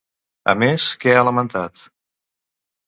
A més, què ha lamentat?